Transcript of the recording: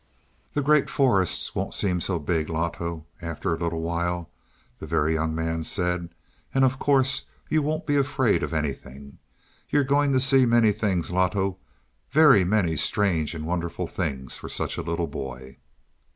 "The Great Forests won't seem very big, Loto, after a little while," the Very Young Man said. "And of course you won't be afraid of anything. You're going to see many things, Loto very many strange and wonderful things for such a little boy."